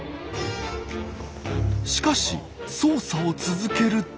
しかし捜査を続けると。